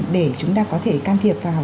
để chúng ta có thể can thiệp vào